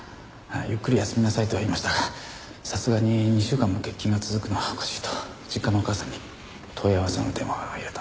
ゆっくり休みなさいとは言いましたがさすがに２週間も欠勤が続くのはおかしいと実家のお母さんに問い合わせの電話を入れたんです。